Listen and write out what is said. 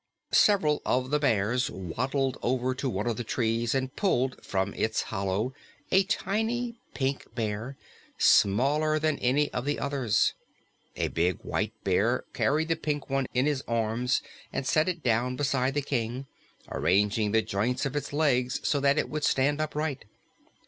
Several of the bears waddled over to one of the trees and pulled from its hollow a tiny pink bear, smaller than any of the others. A big, white bear carried the pink one in his arms and set it down beside the King, arranging the joints of its legs so that it would stand upright.